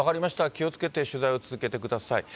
気をつけて取材を続けてください。